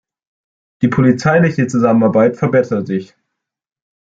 Die polizeiliche Zusammenarbeit verbessert sich.